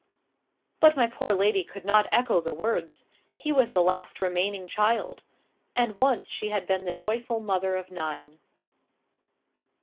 But my poor lady could not echo the words. He was the last remaining child. And once she had been the joyful mother of nine.